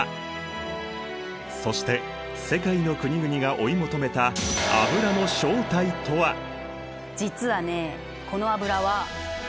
そして世界の国々が追い求めた実はねこの油は。